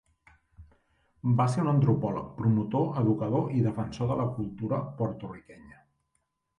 Va ser un antropòleg, promotor, educador i defensor de la cultura porto-riquenya.